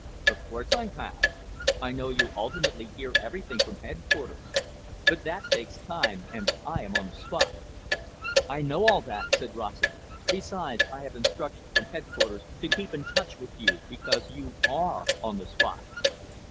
"Of course I have. I know you ultimately hear everything from headquarters. But that takes time, and I am on the spot." "I know all that," said Rossett. "Besides, I have instructions from headquarters to keep in touch with you, because you are on the spot."